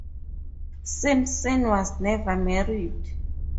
Simpson was never married.